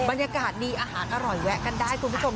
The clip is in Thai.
บรรยากาศดีอาหารอร่อยแวะกันได้คุณผู้ชม